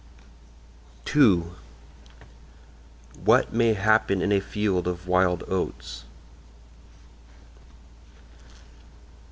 II WHAT MAY HAPPEN IN A FIELD OF WILD OATS